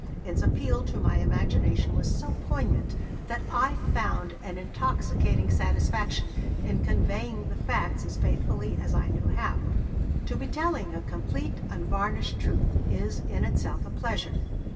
its appeal to my imagination was so poignant, that I found an intoxicating satisfaction in conveying the facts as faithfully as I knew how. To be telling a complete, unvarnished truth is in itself a pleasure.